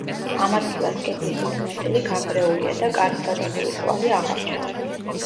ამ ადგილას კედლის დიდი ნაწილი განგრეულია და კარის გადახურვის კვალი აღარ ჩანს.